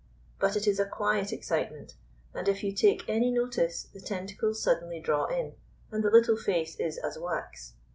But it is a quiet excitement; and if you take any notice, the tentacles suddenly draw in, and the little face is as wax.